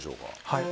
はい。